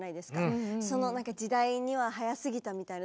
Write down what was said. そのなんか時代には早すぎたみたいな。